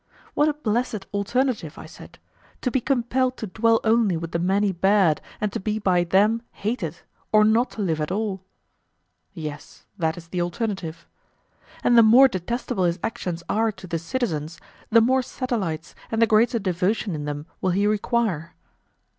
What a blessed alternative, I said:—to be compelled to dwell only with the many bad, and to be by them hated, or not to live at all! Yes, that is the alternative. And the more detestable his actions are to the citizens the more satellites and the greater devotion in them will he require?